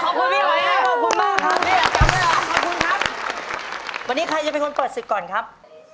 ขอบคุณพี่อ๋อมากขอบคุณมากครับขอบคุณครับวันนี้ใครจะเป็นคนเปิดสิทธิ์ก่อนครับ